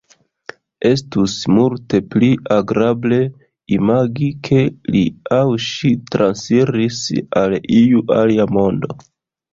Estus multe pli agrable imagi, ke li aŭ ŝi transiris al iu alia mondo.